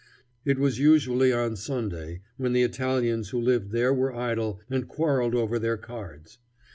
It was usually on Sunday, when the Italians who lived there were idle and quarreled over their cards.